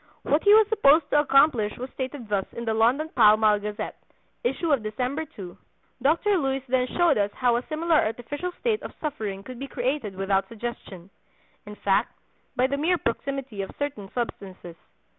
What he was supposed to accomplish was stated thus in the London Pall Mall Gazette, issue of December 2: "Dr. Luys then showed us how a similar artificial state of suffering could be created without suggestion—in fact, by the mere proximity of certain substances.